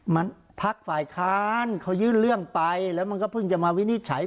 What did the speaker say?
มันพักฝ่ายค้านเขายื่นเรื่องไปแล้วมันก็เพิ่งจะมาวินิจฉัย